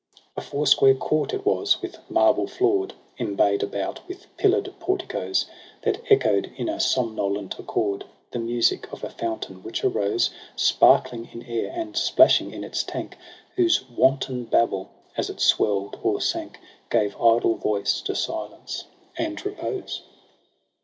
8 A foursquare court it was with marble floor' d, Embay'd about with pillar'd porticoes. That echo'd in a somnolent accord The music of a fountain, which arose Sparkling in air, and splashing in its tank j Whose wanton babble, as it swell'd or sank. Gave idle voice to silence and repose.